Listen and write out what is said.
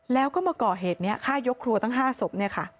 แล้วก็มาก่อเหตุนี้ฆ่ายกครัวตั้ง๕ศพ